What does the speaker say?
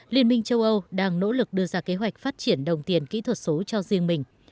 liên minh châu âu đang nỗ lực đưa ra kế hoạch phát triển đồng tiền kỹ thuật số cho riêng mình